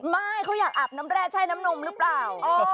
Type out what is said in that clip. ไม่เขาอยากอาบน้ำแร่ใช่น้ำนมหรือเปล่า